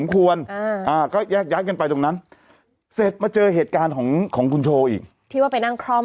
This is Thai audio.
มันก็แบบมันก็ไม่ได้ทำยังไง